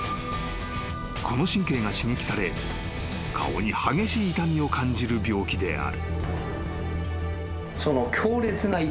［この神経が刺激され顔に激しい痛みを感じる病気である］